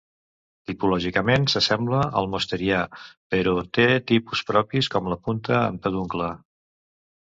Tipològicament s’assembla al mosterià, però té tipus propis com la punta amb peduncle.